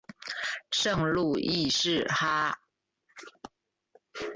圣路易士哈！